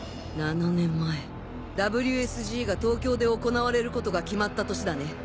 ７年前ＷＳＧが東京で行われることが決まった年だね。